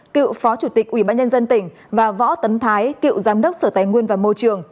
cựu phó chủ tịch ubnd tỉnh và võ tấn thái cựu giám đốc sở tài nguyên và môi trường